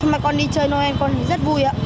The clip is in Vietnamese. mà con đi chơi noel con thì rất vui ạ